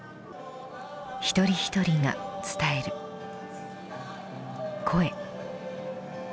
一人一人が伝える声。